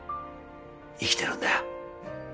生きてるんだよ。